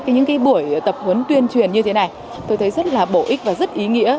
những buổi tập huấn tuyên truyền như thế này tôi thấy rất là bổ ích và rất ý nghĩa